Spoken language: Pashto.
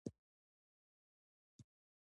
ایا ستاسو نظر ژور نه دی؟